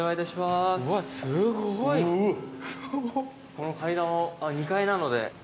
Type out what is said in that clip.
この階段を２階なので。